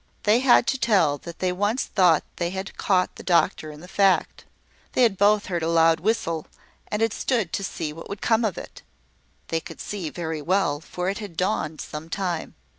They had to tell that they once thought they had caught the doctor in the fact. They had both heard a loud whistle, and had stood to see what would come of it (they could see very well, for it had dawned some time).